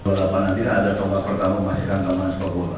pada panah kita ada koma pertama masih rangka mas pak bola